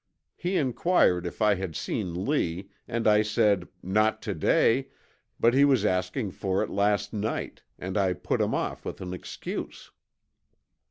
He inquired if I had seen Lee, and I said, 'Not to day, but he was asking for it last night, and I put him off with an excuse.'